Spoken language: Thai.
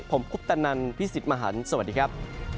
ผมคุปตนันพี่สิทธิ์มหันฯสวัสดีครับ